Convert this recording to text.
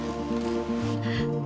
atau kau akan menghampiriku